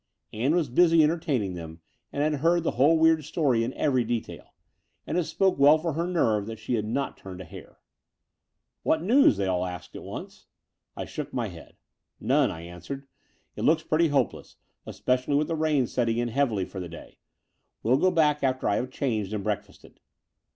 Ann was busy entertaining them and had heard the whole weird story in every detail ; and it spoke well for her nerve that she had not turned a hair. What news?" they all asked at once. I shook my head. "None," I answered. It looks pretty hope less, especially with the rain setting in heavily for the day. Well go back after I have changed and breakfasted."